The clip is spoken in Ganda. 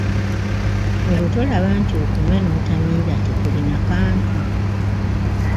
Olwo tolaba nti okunywa n'otamiira tekulina kantu ?